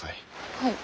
はい。